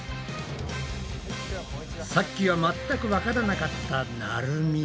さっきは全くわからなかったなるみ。